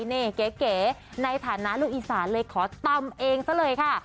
นี่เก๋ในฐานะลูกอีสานเลยขอตำเองซะเลยค่ะ